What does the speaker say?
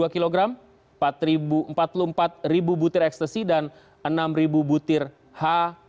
tujuh puluh dua kilogram empat puluh empat ribu butir ekstasi dan enam ribu butir h lima